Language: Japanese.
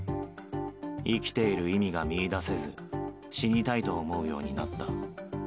生きている意味が見いだせず、死にたいと思うようになった。